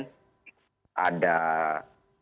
misalnya disebut dalam pidato presiden